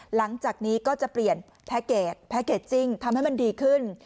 หลังจากนี้ก็จะเปลี่ยนแพ็คเกจแพ็คเกจจิ้งทำให้มันดีขึ้น